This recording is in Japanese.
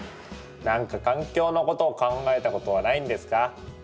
何か環境のことを考えたことはないんですか？